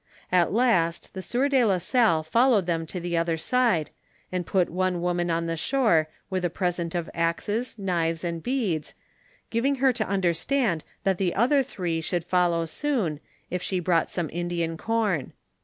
At last the sieur de la Salle followed them to the other side, and put one woman on the shore with a present of axes, knives, and beads, giving her to understand that the other three should follow soon, if she brought some Indian corn.